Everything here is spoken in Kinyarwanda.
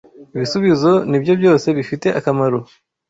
Ibisubizo nibyo byose bifite akamaro.